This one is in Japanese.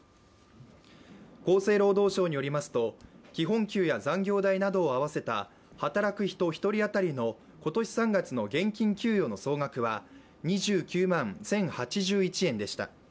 厚生労働省によりますと、基本給や残業代などを併せた働く人１人当たりの今年３月の現金給与の総額は２９万１０８１円でした。